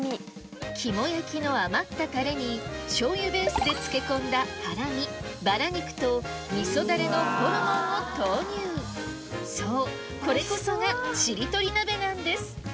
キモ焼の余ったタレに醤油ベースで漬け込んだハラミバラ肉と味噌ダレのホルモンを投入そうこれこそがちりとり鍋なんです